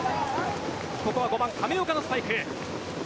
ここは５番・亀岡のスパイク。